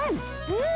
うん！